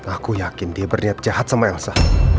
aku yakin dia berniat jahat sama elsa